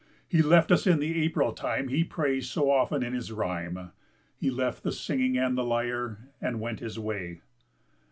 He left us in the April time He praised so often in his rhyme, He left the singing and the lyre and went his way.